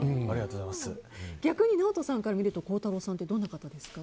逆にＮＡＯＴＯさんから見て孝太郎さんってどんな方ですか？